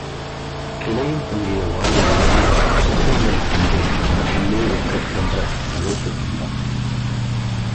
கிளையில் தொங்கிய வாழை இலையில் சித்திரங்களைக் கண்டு தனக்குள்ளே வெட்கந் தோன்ற நகைத்துக் கொண்டாள்.